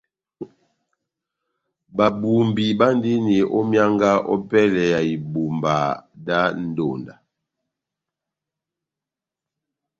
Babumbi bandini ó myánga ópɛlɛ ya ibumba dá ndonda.